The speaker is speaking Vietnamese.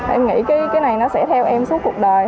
em nghĩ cái này nó sẽ theo em suốt cuộc đời